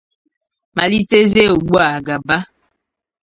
malitezie ugbua gaba.